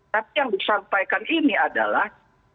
tapi yang disampaikan ini adalah